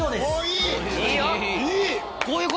いい！